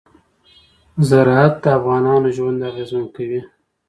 زراعت د افغانانو ژوند اغېزمن کوي.